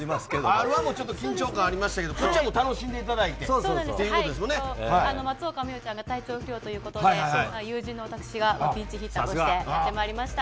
Ｒ−１もちょっと緊張がありましたけど松岡茉優ちゃんが体調不良ということで友人の私がピンチヒッターとしてやってまいりました。